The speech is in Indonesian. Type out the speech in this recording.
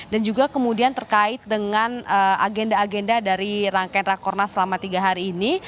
dan juga kemudian terkait dengan agenda agenda dari rangkaian rakernas selama tiga hari ini